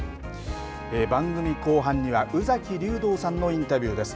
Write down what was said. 番組後半には宇崎竜童さんのインタビューです。